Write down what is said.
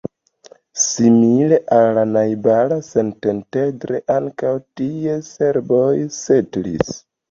Simile al la najbara Szentendre, ankaŭ tie serboj setlis.